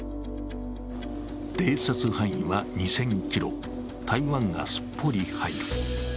偵察範囲は２０００ｋｍ、台湾がすっぽり入る。